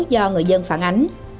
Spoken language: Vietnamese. các sự cố do người dân phản ánh